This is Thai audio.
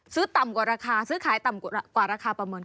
ต่ำกว่าราคาซื้อขายต่ำกว่าราคาประเมิน